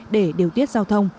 để điều tiết giao thông